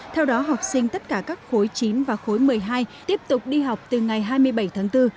theo đó học sinh tất cả các khối chín và khối một mươi hai tiếp tục đi học từ ngày hai mươi bảy tháng bốn